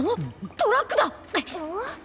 トラック？